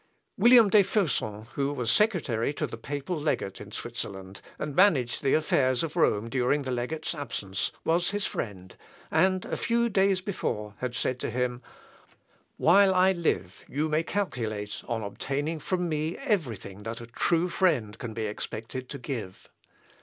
William des Faucons, who was secretary to the papal Legate in Switzerland, and managed the affairs of Rome during the Legate's absence, was his friend, and a few days before had said to him, "while I live you may calculate on obtaining from me everything that a true friend can be expected to give."